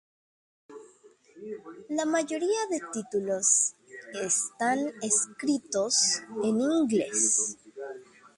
La mayoría de títulos están escritos en ingles.